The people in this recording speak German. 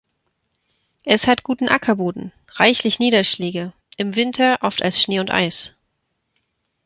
Es hat guten Ackerboden, reichlich Niederschläge, im Winter oft als Schnee und Eis.